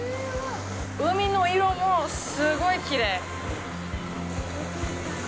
海の色もすごいきれい。